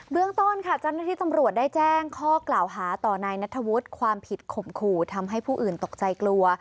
เรื่องต้นค่ะเจ้าหน้าที่ตำรวจได้แจ้งข้อกล่าวหาต่อนายนัทธวุฒิความผิดข่มขู่ทำให้ผู้อื่นตกใจกลัว